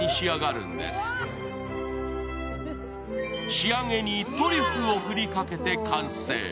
仕上げにトリュフを振りかけて完成。